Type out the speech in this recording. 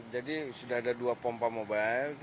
jadi sudah ada dua pompa mobile